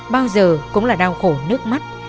bao giờ cũng là đau khổ nước mắt